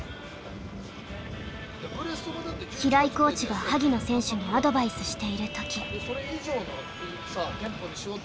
平井コーチが萩野選手にアドバイスしている時。